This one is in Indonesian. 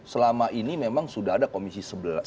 selama ini memang sudah ada komisi sebelas